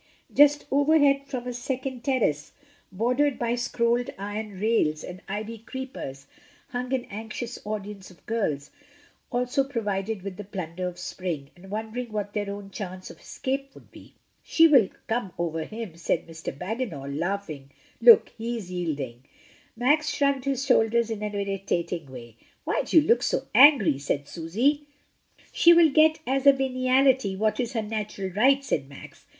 Just overhead from a second terrace, bordered by scrolled iron rails and ivy creepers, hung an anxious audience of girls, also provided with the plunder of spring, and wondering what their own chance of escape would be. "She will come over him," said Mr. Bagginal laughing. "Look, he is yielding." Max shrugged his shoulders in an irritating way. "Why do you look so angry?" said Susy. "She will get as a veniality what is her natural right," said Max.